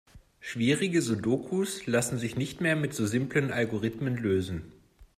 Schwierige Sudokus lassen sich nicht mehr mit so simplen Algorithmen lösen.